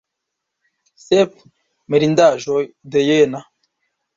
Sep mirindaĵoj de Jena.